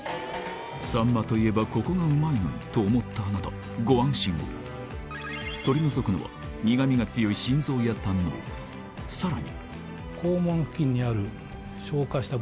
サンマといえばここがうまいのにと思ったあなたご安心を取り除くのは苦味が強い心臓や胆のうさらに肛門付近にある。